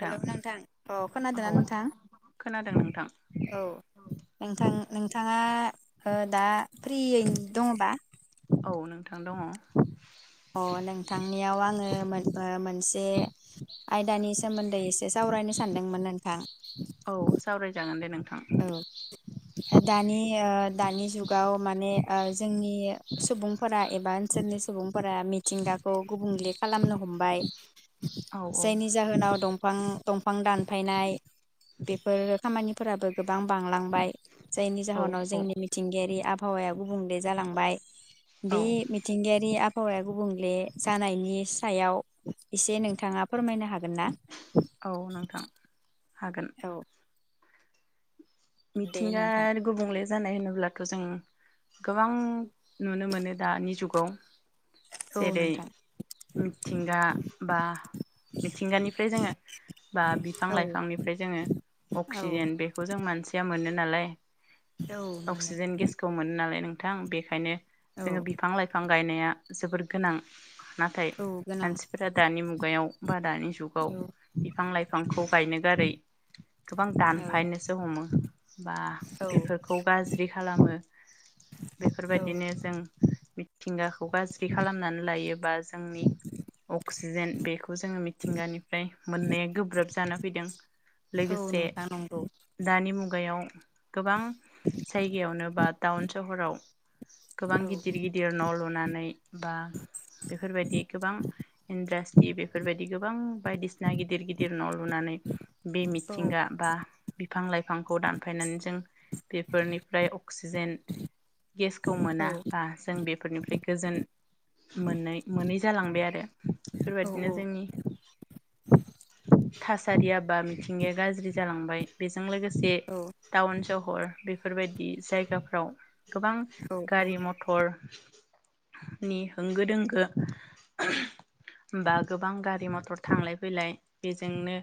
Hello नोंथां अ खोनादोंना औ नोंथां खोनादों नोंथां औ नोंथां नोंथाङा ओ दा फ्रियैनो दङबा औ नोंथां दङ अ नोंथांनियाव आङो मोन ओ मोनसे ए आयदानि सोमोन्दै एसे सावरायनो सानदोंमोन [unintelligible] औ सावरायजागोन दे नों औ दानि ओ दानि जुगाव माने ओ जोंनि सुबुंफोरा एबा ओनसोलनि सुबुंफोरा मिथिंगाखौ गुबुंले खालामनो हमबाय औ जायनि जाहोनाव दंफां दंफां दानफायनाय बेफोरो खामानिफोराबो गोबां बांलांबाय जायनि औ जाहोनाव जोंनि औ मिथिंगायारि आब हावाया गुबुंले जालांबाय औ बे मिथिंगायारि आब हावाया गुबुंले जानायनि सायाव एसे नोंथाङा फोरमायनो हागोन ना औ नोंथां हागोन औ दे मिथिंगा नोंथां आरो गुबुंले जानाय होनोब्लाथ जों गोबां नुनो मोनो दानि जुगाव। औ जेरै नोंथां मिथिंगा बा मिथिंगानिफ्राय जोङो बा बिफां औ लाइफांनिफ्राय जोङो औ अक्सिजेन बेखौ जों मोनसि मोनो नालाय। औ मोनो अक्सिजेन गेसखौ मोनो नालाय नों थां बेखायनो औ जोङो बिफां-लाइफां गायनाया जोबोर गोनां नाथाय औ गोनां मानसिफोरा दानि मुगायाव बा दानि जुगाव औ बिफांलाइ बिफांखौ गायनो गारै गोबां औ दानफायनोसो हमो। बा औ बेफोरखौ गाज्रि खालामो औ बेफोरबायदिनो जों मिथिंगाखौ गाज्रि खालामनानै लायोबा जों जोंनि अक्सिजेन बेखौ जोङो मिथिंगानिफ्राय मोननाया गोब्राब जाना फैदों। औ लोगोसे नोंथां नंगौ दानि मु मुगायाव गोबां जायगायावनो बा टाउन सहराव गोबां औ गिदिर गिदिर न लुनानै बा बेफोरबायदि गोबां इन्दास्टि बेफोरबायदि गोबां बायदिसिना गिदिर गिदिर न लुनानै बे मिथिंगा बा बिफां लाइ फांखौ दानफायनानै जों बेफोरनिफ्राय अक्सिजेन गेसखौ औ मोना बा जों बेफोरनिफ्राय गोजोन मोनै मोनै जालांबाय आरो औ बेफोरबायदिनो जोंनि थासारियाबा मिथिंगाया गाज्रि जालांबाय बेजों लोगोसे से औ टाउन सह हर बेफोरबायदि जायगाफ्राव गोबां गारि मथर नि होंगो दोंगो बा गोबां गारि मथर थांलाय फैलाय बेजोंनो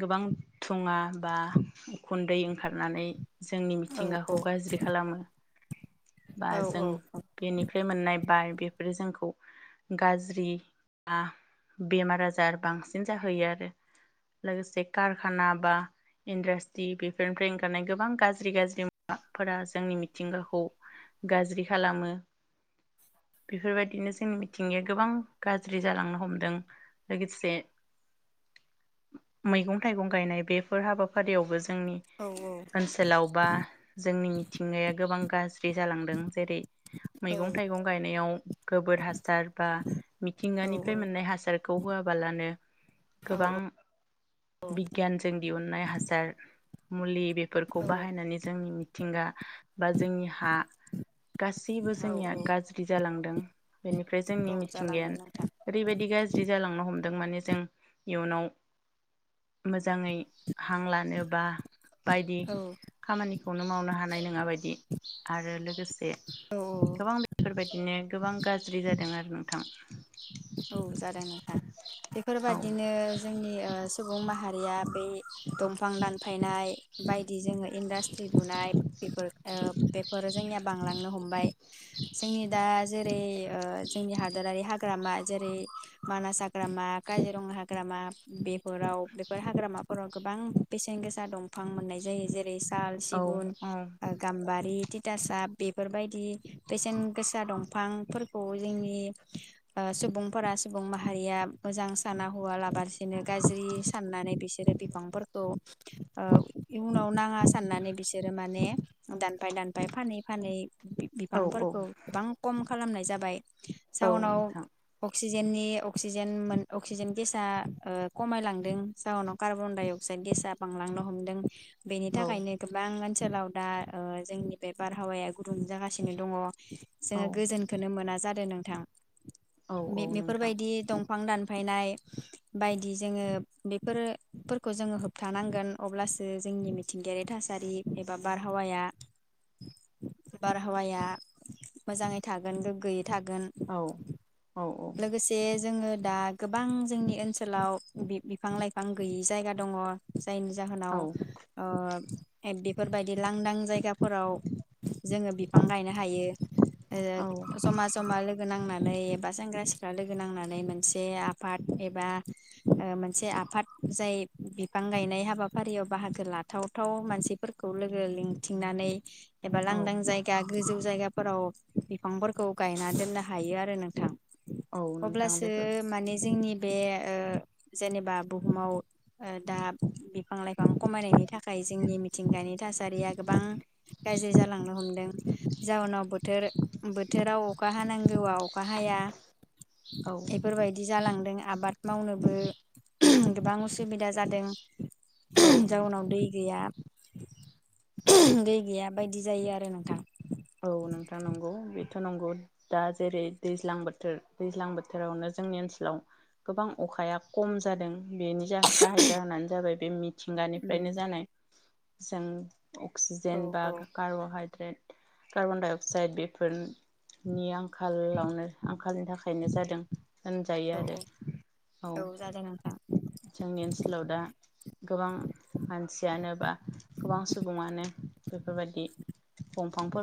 गोबां धुङा बा खुन्दै ओंखारनानै जोंनि औ मिथिंगाखौ गाज्रि खालामो। बा औ जों बेनिफ्राय मोननाय बार बे फोरो जोंखौ गाज्रि बा बेमार आजार बांसिन जाहोयो आरो लोगोसे कारखाना बा इण्द्रास बेफोरनिफ्राय ओंखारनाय गोबां गाज्रि गाज्रिफोरा जोंनि मिथिंगाखौ गाज्रि खालामो बेफोरबायदिनो जोंनि मिथिंगाया गोबां गाज्रि जालांनो हमदों लोगोसे मैगं थाइगं गायनाय बेफोर हाबाफारियावबो जों जोंनि ओनसोलाव बा जोंनि मिथिंगाया गोबां बास गोयि जालांदों जेरै मैगं थाइगं गायनायाव गोबोर हासार बा मिथिंगानिफ्राय मोननाय हासारखौ होआबालानो औ गोबां औ बिगियानजों दिहुननाय हासार मुलि बे फोरखौ औ बाहायनानै जोंनि मिथिंगा बा जोंनि हा गासैबो जोंनिया औ गाज्रि जालांदों बेनिफ्राय औ जोंनि मिथिंगाया जालांदों नोंथां ओरैबायदि गाज्रि जालांनो हमदों दों माने जों इयुनाव मोजांङै हां लानोबा बायदि औ खामानिखौनो मावनो हानाय नोङाबायदि आरो लोगोसे औ गोबां बेफोर बाय बिनो गोबां गाज्रि जादों आरो नोंथां। औ जादों नोंथां औ बेफोरबादिनो जोंनि ओ सो सुबुं माहारिया बै दंफां दानफायनाय बाय इदि जोङो इनदास्त्रि लुनाय बेफोर ओ बेफोर जोंनिया बांलांनो हमबाय जोंनि दा जेरै ओ जोंनि हादोरारि हा ग्रामार जेरै मानास हाग्रामा, काजिरङा हाग्रामा बेफोराव बेफोर हाग्रामाफोराव गोबां बेसेन गोसा दंफां मोननाय जायो जेरै सा साल, औ सिगुन औ ओ गाम्बारि तितासाब बेफोरबायदि बेसेन गोसा दंफां फोरखौ जोंनि ओ सुब सुबुंफोरा सुबुं माहारिया मोजां खाना हवालाबासिनो गाज्रि साननानै बिसोरो बिफांफोरखौ ओ इयुनाव नाङा साननानै बिसोरो माने दान फाय दानफाय फानै-फानै औ बिफांफोरखौ औ गोबां कम खालामनाय जाबाय औ साउनाव नोंथां अक्सिजेननि अक्सिजेन मोन अक्सिजेन गेसा ओ कमायलांदों जाहोनाव कार्बन डाइ अक्साइड गेसा बांलांनो हमदों। बेनि औ थाखायनो गोबां मानसि ओनसोलाव दा ओ जोंनि बे बारहावाया गुदुं जागासिनो दङ। औ जोङो गोजोनखोनो मोना जादो नोंथां। औ बे नोंथां बेफोरबायदि दं फां दानफायनाय बायदि जोङो बेफोर फोरखौ जोङो होबथानांगोन अब्लासो जोंनि मिथिंगायारि थासारि एबा बारहावाया बारहावाया मोजाङै थागोन गोग्गोयै। थागोन औ औ लोगोसे जोङो दा गोबां जोंनि ओनसोलाव बि-बिफां लाइफां गैयि जायगा दङ। जायनि जाहोनाव औ अ बेफोरबायदि लांदां जायगाफोराव जोङो बिफां गायनो हायो औ ओ जमा जमा लोगो नांनानै एबा ग्रा सिख्ला लोगो नांनानै मोनसे आफाद एबा ओ मोनसे आफाद जाय बिफां गायनाय हाबाफारियाव बाहागो लाथावथाव मानसिफोरखौ लोगो लिंथिंनानै एबा औ लांदां जायगा गोजौ जायगाफोराव बिफांफोरखौ गायना दोननो हायो आरो नोंथां औ नोंथां अब्लासो बेफोर माने जोंनि बे ओ जेनेबा बुहुमाव ओ दा बिफां लाइफां कमायनायनि थाखाय जोंनि मिथिंगानि थासारिया गोबां गाज्रि जालांनो हमदों जाउनाव बोथोर बोथोराव अखा हानांगौआव अखा हाया औ एफोरबायदि जालांदों आबाद मावनोबो [unintelligible] गोबां उसुबिदा जा जादों औ उम नोंथां जाउनाव दै गैया [unintelligible] [unintelligible] दैै गैया बायदि जायो आरो नोंथां। औ नोंथां नंगौ बेथ नंगौ दा जेरै दैज्लां बोथोर दैज्लां बोथोरावनो जोंनि ओनसोलाव गोबां अखाया खम जादों। बेनि जा गाहाय जाहोनानो जाबाय बे मिथिंगानिफ्रायनो जानाय जों औ अक्सिजेन बा औ कार्बहाइड थ्रेद कार्बन डाइ अक्साइड बेफोरनि आंखालावनो आंखालनि थाखायनो जादों। होनजायो औ आरो औ जादों नोंथां जोंनि ओनसोलाव दा गोबां मानसियानो बा गोबां सुबुङानो बेफोरबायदि दंफांफोर।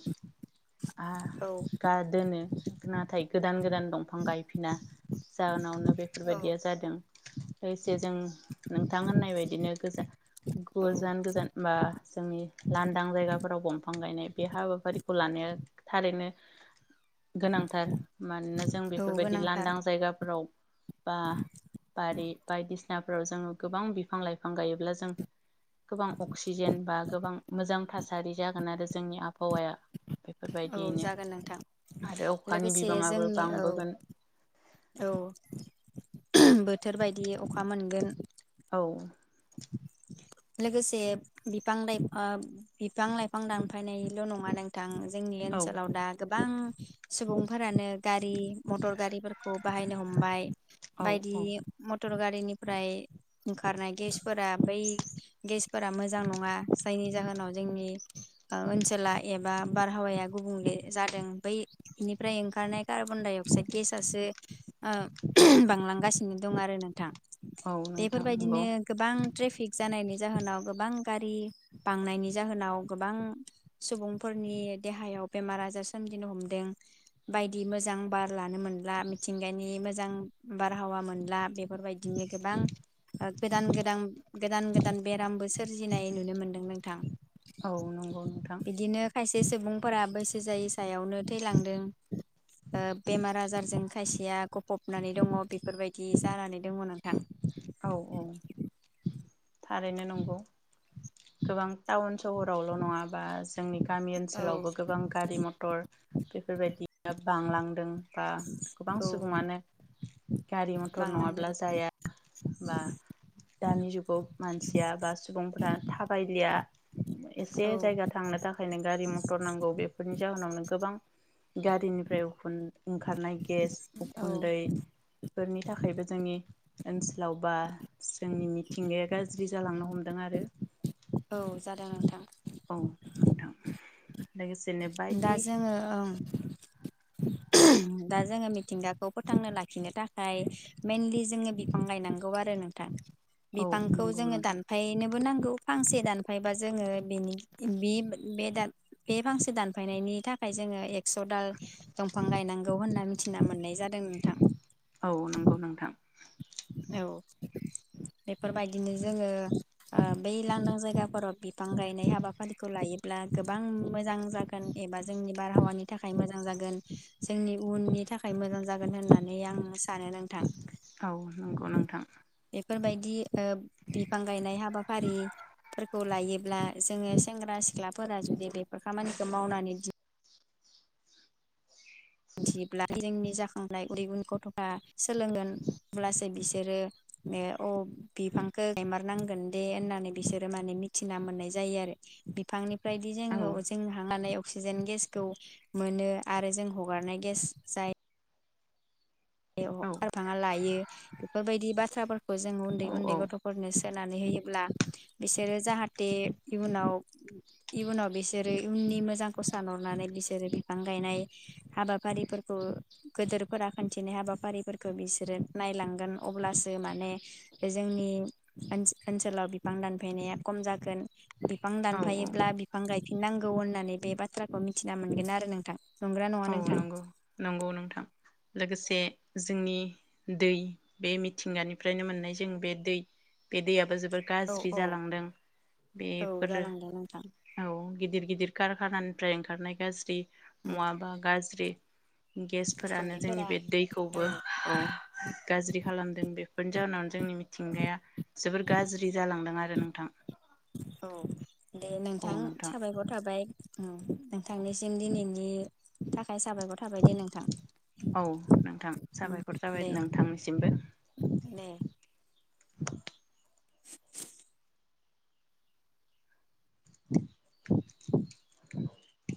[unintelligible] आ औ गा दोनो नाथाय गोदान गोदान दंफां गायफिना जाहोनावनो औ बेफोरबायदिया जादों। लोगोसे जों नोंथां होननाय बायदिनो गोजा औ गोजान गोजान बा जोंनि लांदां जायगाफोराव दं दंफां गायनाय बे हाबाफारिखौ लानाया थारैनो गोनांथार मानोना जों औ बेफोरबायदि गोनांथार लांदां जायगाफोराव बा बारि बायदिसिनाफोराव जोङो गोबां बिफां लाइफां गायोब्ला जों गोबां अक्सिजेन बा गोबां मोजां थासारि जा जेन आरो जोंनि आबहावाया औ बेफोरबायदियैनो जागोन नोंथां आरो अखानि लोगोसे बिबाङाबो जोंनि औ बांबोगोन औ बो बोथोरबायदि अखा मोनगोन औ लोगोसे बिफां लाइफां बिफां लाइफां दानफायनायल नङा नोंथां। जोंनि औ ओनसोलाव दा गो बां सुबुंफोरानो गारि मटर गारिफोरखौ बाहायनो हमबाय औ बायदि औ म मटर गारिनिफ्राय ओंखारनाय गेसफोरा बै गेस फोरा मोजां नङा जायनि जाहोन जनाव जोंनि ओ ओनसोला एबा बारहावाया गुबुंले जादों बै निफ्राय ओंखारनाय कार्बन डाइ अक्साइड गेसआसो ओ [unintelligible] बांलां गासिनो दं आरो नोंथां। औ नोंथां नंगौ बेफोरबायदिनो गोबां ट्रेफिक जानायनि जाहोनाव गोबां गारि बांनायनि जाहोनाव गोबां सुबुंफोरनि देहायाव बेमार आजार सोमजिनो हमदों बायदि मोजां बार लानो मोनला मिथिंगानि मोजां बारहावा मोनला बे। फोरबायदिनो गोबां ओ गोदान गोदान गोदान गोदान बेरामबो सोरजिनाय नुनो मो मोनदों नोंथां। औ नंगौ नोंथां बिदिनो खायसे सुबुंफोरा बै जायै सायावनो थैलांदों ओ बेमार आजारजों खायसेया गफबनानै दङ बेफोरबायदि जानानै दङ नोंथां औ औ थारैनो नंगौ गोबां टाउन सहरावल नङाबा। जोंनि गामि औ ओनसोलावबो गोबां गारि मथर। बेफोरबायदिया बांलांदों। बा गोबां औ सुबुङानो गारि मथर नङाब्ला बांलांदों जाया। बा दानि जुगाव मानसिया बा सुबुंफोरा थाबायलिया एसे औ जायगा थांनो थाखायनो गारि मथर नांगौ बेफोरनि जाहोनावनो गोबां। गारिनिफ्राय उखुन ओंखारनाय गेस औ उखुन्दै बेफोरनि थाखायबो जोंनि ओन्स लावबा। जोंनि मिथिंगाया गाज्रि जालांनो हमदों आरो औ जादों नोंथां औ नोंथां लोगोस दा जोङो ओं। दा जोङो मिथिंगाखौ फोथांना लाखिनो थाखाय मेइनलि [unintelligible] नो बिफां गायनांगौ आरो नोंथां औ बिफांखौ नंगौ जोङो नोंथां दानफायनोबो नांगौ फांसे दानफायबा जोङो बेनि बि बे दा बे फांसे दानफायनायनि थाखाय जोङो एक्सदाल दंफां गायनांगौ होनना मिथिना मोननाय जादों नोंथां औ नंगौ नोंथां औ बेफोरबायदिनो जोङो ओ बै लांदां जायगाफोराव बिफां गायनाय हाबाफारिखौ लायोब्ला गोबां मोजां जागोन एबा जोंनि बारहावानि थाखाय मोजां जागोन जोंनि उननि थाखाय मोजां जागोन होननानै आं सानो नोंथां थां फोरबायदि ओ बिफां गायनाय हाबाफारिफोरखौ लायोब्ला जोङो सेंग्रा सिख्लाफोरा जुदि बेफोर खामानिखौ मावनानै दि मिथियोब्ला जोंनि जाखांबोनाय उन्दै उन्दै गथ'फ्रा सोलोंगोन अब्लासो बिसोरो ओ अ बिफांखौ गायमारनांगोन दे होननानै बिसोरो माने मिथिना मोननाय जायो आरो बिफांनि बायदि औ जोङो जोंहा माने अक्सिजेन गेसखौ मोनो आरो जों हगारनाय गेस जाय एव औ खारफाङा लायो। फोरबायदि बाथ्राफोर जों उन्दै औ उन्दै गथ'फोरनोस सोनानै होयोब्ला बिसोरो जाहाथे इयुनाव इयुनाव बिसोरो इयुननि मोजांखौ सानहरनानै बिसोरो बिफां गायनाय हाबाफारिफोरखौ गेदोरफोरा खोन थिनो हाबाफारिफोरखौ बिसोरो नायलांगोन अब्लासो माने बे जोंनि ओन-ओनसोलाव बिफां दानफैनाया खम जागोन। बिफां औ औ दानफायोब्ला बिफां गाय नांगौ होननानै बे बाथ्राखौ मिथिना मोनगोन आरो नोंथां। नंगौना नङा औ नोंथां नंगौ नंगौ नोंथां। लोगोसे जोंनि दै बे मिथिंगानिफ्रायनो मोननाय जों बे दै बे दैयाबो जो फोर औ गाज्रि औ जालांदों औ बेफोर जालांदों नोंथां औ गिदिर गिदिर कारखानानिफ्राय ओंखारनाय गाज्रि मुवा ओ गाज्रि गेसफोरानो जोंनि उखुन्दैफोरा बे दैखौबो औ गाज्रि खालामदों बेफोरनि जाहोनाव जोंनि मिथिंगाया जोबोर गाज्रि जालांदों आरो रो नोंथां औ दे नोंथां साबायखर थाबाय। नोंथांनिसिम दिनैनि थाख औ नोंथां उम साबायखर जाबाय दे नोंथांनिसिमबो दे [inaudible] [unintelligible]